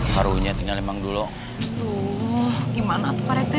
harunya tinggal memang dulu gimana tuh pak rt